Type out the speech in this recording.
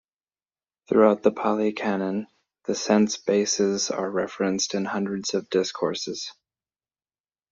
Throughout the Pali Canon, the sense bases are referenced in hundreds of discourses.